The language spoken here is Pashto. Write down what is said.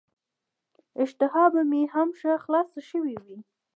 اشتها به مو هم ښه خلاصه شوې وي.